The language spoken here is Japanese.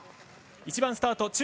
１番スタート